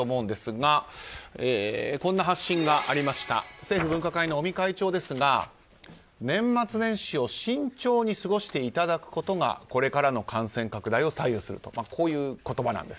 政府分科会の尾身会長ですが年末年始を慎重に過ごしていただくことがこれからの感染拡大を左右するとこういう言葉なんです。